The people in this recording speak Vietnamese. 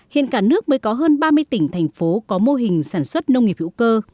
hiện cả nước mới có hơn ba mươi tỉnh thành phố có mô hình sản xuất nông nghiệp hữu cơ